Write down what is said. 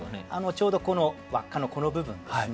ちょうどこの輪っかのこの部分ですね。